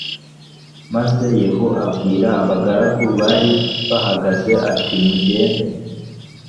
maze yehu abwira abagaragu bari bahagaze ati mugende